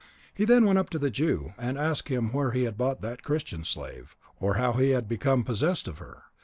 He then went up to the Jew, and asked him where he had bought that Christian slave, or how he had become possessed of her.